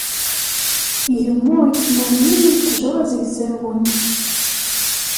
Igemmu yettnerni am ttejra zegzawen.